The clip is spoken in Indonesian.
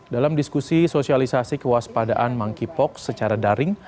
dalam diskusi sosialisasi kewaspadaan monkeypox secara daring